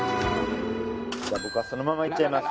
じゃあ僕はそのままいっちゃいます